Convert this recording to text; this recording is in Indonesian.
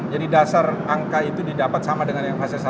jadi dasar angka itu didapat sama dengan yang fase satu